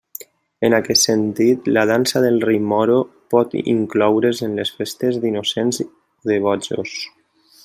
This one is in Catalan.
En aquest sentit, la Dansa del Rei Moro pot incloure's en les festes d'innocents o de bojos.